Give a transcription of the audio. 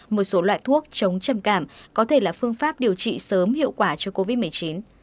một số loại thuốc chống trầm cảm có thể là phương pháp điều trị sớm hiệu quả cho covid một mươi chín